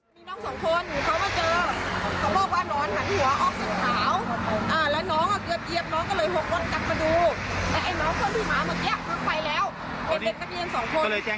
มีน้องสองคนหูเข้ามาเจอ